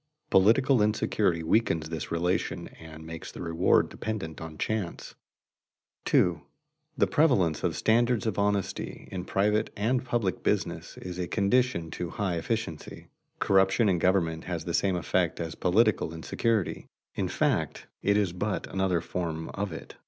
Political insecurity weakens this relation and makes the reward dependent on chance. [Sidenote: Common honesty as a condition to efficient labor] 2. The prevalence of standards of honesty in private and public business is a condition to high efficiency. Corruption in government has the same effect as political insecurity; in fact, it is but another form of it.